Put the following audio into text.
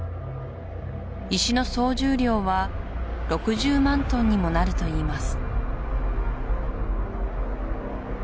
石の総重量は６０万トンにもなるといいます